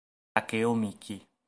Takeo Miki